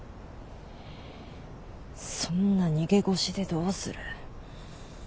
そんな逃げ腰でどうする。